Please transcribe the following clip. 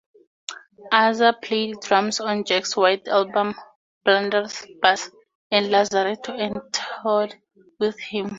Azar played drums on Jack White's albums "Blunderbuss" and "Lazaretto" and toured with him.